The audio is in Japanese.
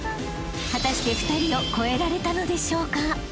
［果たして２人を超えられたのでしょうか？］